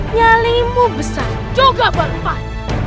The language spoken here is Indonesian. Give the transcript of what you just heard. nyalingmu besar juga berpah